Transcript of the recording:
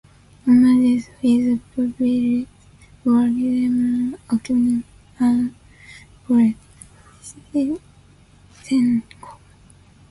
Amongst his pupils were German Okunev and Boris Tishchenko.